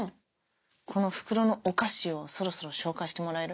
この袋のお菓子をそろそろ紹介してもらえる？